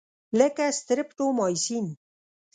لکه سټریپټومایسین.